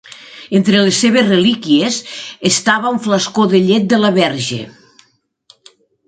Entre les seves relíquies estava un flascó de llet de la Verge.